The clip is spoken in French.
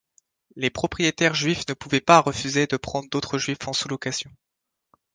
Les propriétaires juifs ne pouvaient pas refuser de prendre d’autres juifs en sous-location.